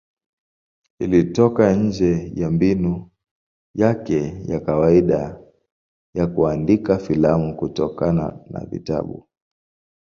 Ilitoka nje ya mbinu yake ya kawaida ya kuandika filamu kutokana na vitabu.